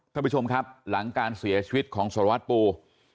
ท่านผู้ชมครับหลังการเสียชีวิตของสารวัตรปู